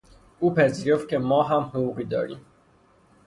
او پذیرفت که ما هم حقوقی داریم.